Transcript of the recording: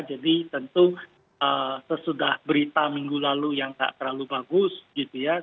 jadi tentu sesudah berita minggu lalu yang tidak terlalu bagus gitu ya